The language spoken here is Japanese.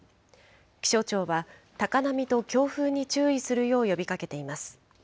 気象庁は、高波と強風に注意するよう呼びかけています。